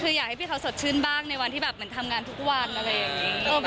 คืออยากให้พี่เค้าสดชื่นบ้างในวันที่แบบเหมือนทำงานทุกวันโอเค